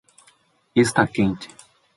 Está quente.